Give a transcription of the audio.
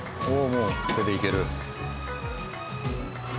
もう手でいける。